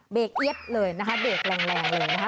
เอี๊ยบเลยนะคะเบรกแรงเลยนะคะ